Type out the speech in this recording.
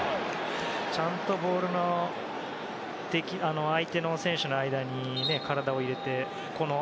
ちゃんとボールと相手の選手の間に体を入れて。